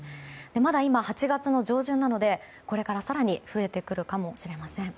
まだ今、８月の上旬なのでこれから更に増えてくるかもしれません。